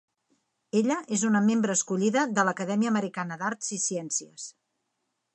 Ella és una membre escollida de l'Acadèmia Americana d'Arts i Ciències.